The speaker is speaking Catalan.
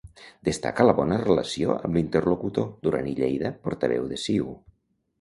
Destaca la bona relació amb l'interlocutor, Duran i Lleida, portaveu de CiU.